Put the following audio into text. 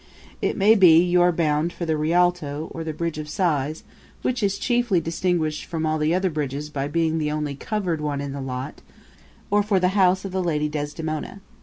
It may be you are bound for the Rialto; or for the Bridge of Sighs, which is chiefly distinguished from all the other bridges by being the only covered one in the lot; or for the house of the lady Desdemona.